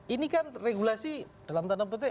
ini kan regulasi dalam tanda petik